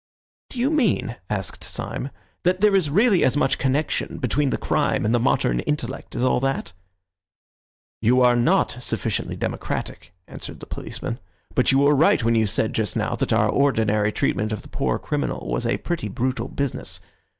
"Do you mean," asked Syme, "that there is really as much connection between crime and the modern intellect as all that?" "You are not sufficiently democratic," answered the policeman, "but you were right when you said just now that our ordinary treatment of the poor criminal was a pretty brutal business.